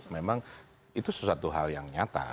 memang itu sesuatu hal yang nyata